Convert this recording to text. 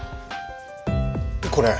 これ。